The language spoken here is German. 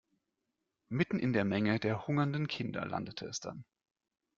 Mitten in der Menge der hungernden Kinder landete es dann.